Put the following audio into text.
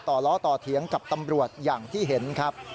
ล้อต่อเถียงกับตำรวจอย่างที่เห็นครับ